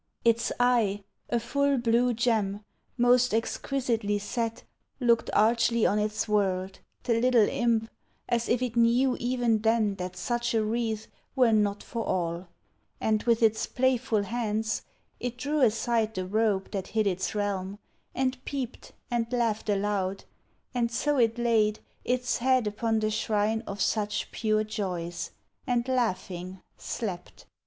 Its eye, A full blue gem, most exquisitely set, Looked archly on its world, — the little imp, As if it knew even then that such a wreath Were not for all ; and with its playful hands It drew aside the robe that hid its realm, And peeped and laughed aloud, and so it laid Its head upon the shrine of such pure joys, And, laughing, slept.